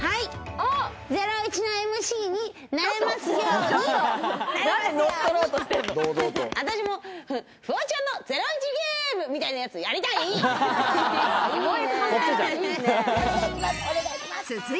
あたしも、「フワちゃんのゼロイチゲーム」みたいなやつ、やりたい！